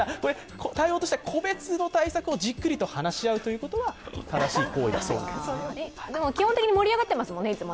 対応としては個別の対策をじっくり話し合うということは基本的に盛り上がってますもんね。